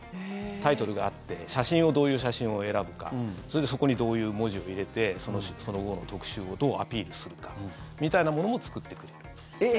タイトルがあって写真を、どういう写真を選ぶかそれで、そこにどういう文字を入れてその号の特集をどうアピールするかみたいなものも作ってくれる。